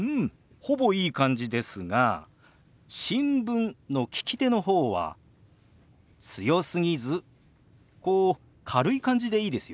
ほぼいい感じですが「新聞」の利き手の方は強すぎずこう軽い感じでいいですよ。